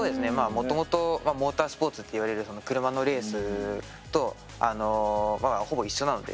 もともとモータースポーツっていわれるその車のレースとほぼ一緒なので。